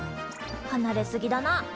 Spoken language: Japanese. はなれ過ぎだな。